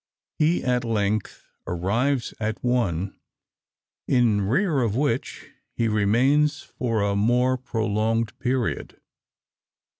He at length arrives at one, in rear of which he remains for a more prolonged period.